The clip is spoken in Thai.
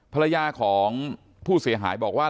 ภรรยาของผู้เสียหายบอกว่า